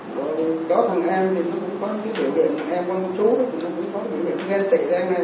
rồi có thằng em thì nó cũng có cái tiểu điện thằng em con chú thì nó cũng có cái tiểu điện nghe tị anh này